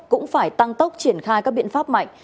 cũng phải tăng tốc triển khai các biện pháp mạnh